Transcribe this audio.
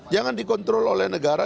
jangan dikontrol oleh negara